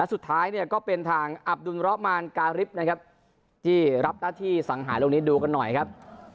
สุดท้ายเนี่ยก็เป็นทางอับดุลระมานการิฟนะครับที่รับหน้าที่สังหารตรงนี้ดูกันหน่อยครับ